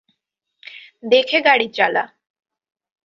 দেখে গাড়ি চালা!